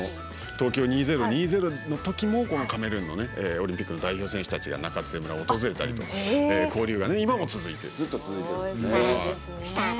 東京２０２０のときもこのカメルーンのオリンピックの代表選手たちが中津江村を訪れたりと交流が今も続いている。